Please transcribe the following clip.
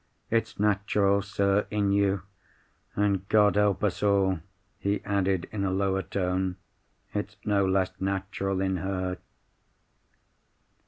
"It's natural, sir, in you. And, God help us all!" he added, in a lower tone, "it's no less natural in her."